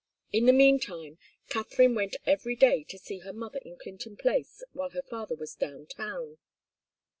In the meantime, Katharine went every day to see her mother in Clinton Place while her father was down town.